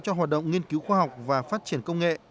cho hoạt động nghiên cứu khoa học và phát triển công nghệ